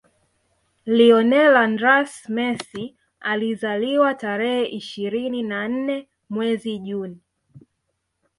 Lionel AndrÃs Messi alizaliwa tarehe ishirini na nne mwezi Juni